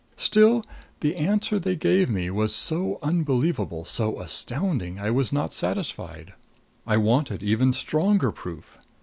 "Still, the answer they gave me was so unbelievable, so astounding, I was not satisfied; I wanted even stronger proof.